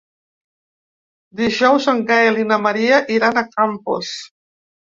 Dijous en Gaël i na Maria iran a Campos.